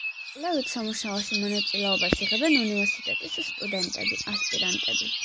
კვლევით სამუშაოში მონაწილეობას იღებენ უნივერსიტეტის სტუდენტები, ასპირანტები.